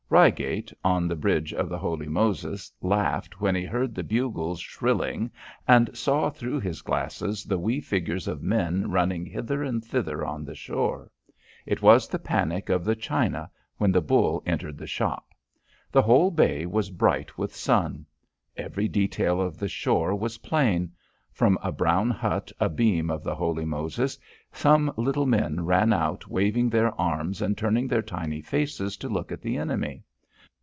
Reigate, on the bridge of the Holy Moses, laughed when he heard the bugles shrilling and saw through his glasses the wee figures of men running hither and thither on the shore. It was the panic of the china when the bull entered the shop. The whole bay was bright with sun. Every detail of the shore was plain. From a brown hut abeam of the Holy Moses, some little men ran out waving their arms and turning their tiny faces to look at the enemy.